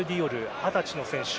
二十歳の選手。